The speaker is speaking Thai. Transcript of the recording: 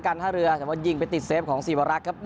การท่าเรือสำหรับว่ายิงไปติดเซฟของศิวรักษณ์ครับ